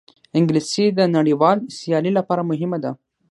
انګلیسي د نړیوال سیالۍ لپاره مهمه ده